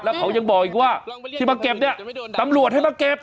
แล้วเขายังบอกอีกว่าที่มาเก็บเนี่ยตำรวจให้มาเก็บ